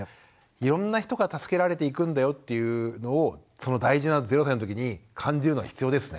いろんな人から助けられていくんだよっていうのを大事な０歳のときに感じるのは必要ですね。